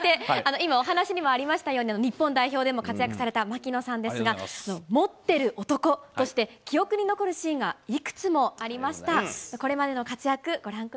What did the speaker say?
今、お話しにもありましたように、日本代表でも活躍された槙野さんですが、持っている男として、記憶に残るシーンがいくつもありました。